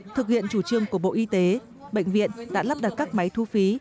thực hiện chủ trương của bộ y tế bệnh viện đã lắp đặt các máy thu phí